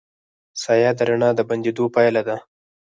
سایه د رڼا د بندېدو پایله ده.